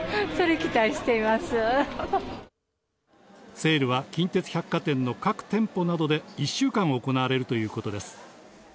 セールは近鉄百貨店の各店舗などで、１週間行われるということです。